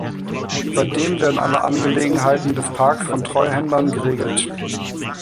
Seitdem werden alle Angelegenheiten des Parks von Treuhändern geregelt.